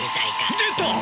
出た！